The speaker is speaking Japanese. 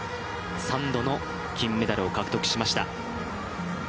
３度の金メダルを獲得しました。